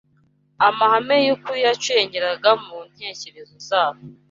Amahame y’ukuri yacengeraga mu ntekerezo zabo